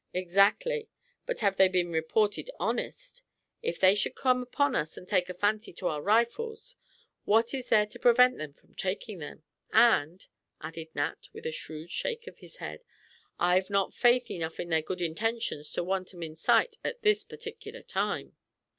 "Exactly; but have they been reported honest? If they should come upon us and take a fancy to our rifles, what is there to prevent them from taking them? And," added Nat, with a shrewd shake of his head. "I've not faith enough in their good intentions to want 'em in sight at this particular time."